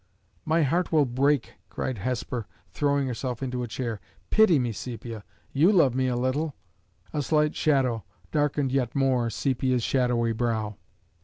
"My heart will break," cried Hesper, throwing herself into a chair. "Pity me, Sepia; you love me a little." A slight shadow darkened yet more Sepia's shadowy brow.